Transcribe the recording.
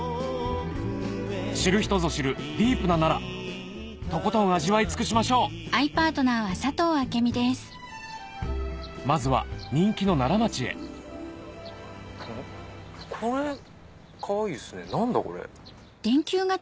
知る人ぞ知るディープな奈良とことん味わい尽くしましょうまずは人気のならまちへこれかわいいっすね何だこれ。